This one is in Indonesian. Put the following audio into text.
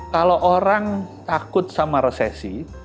kalau orang takut sama resesi